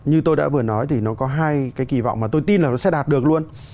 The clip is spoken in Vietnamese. như tôi đã vừa nói thì nó có hai cái kỳ vọng mà tôi tin là nó sẽ đạt được luôn